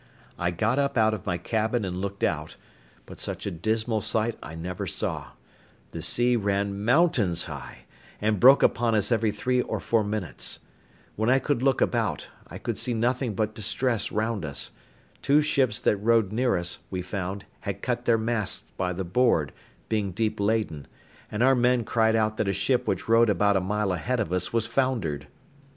I got up out of my cabin and looked out; but such a dismal sight I never saw: the sea ran mountains high, and broke upon us every three or four minutes; when I could look about, I could see nothing but distress round us; two ships that rode near us, we found, had cut their masts by the board, being deep laden; and our men cried out that a ship which rode about a mile ahead of us was foundered.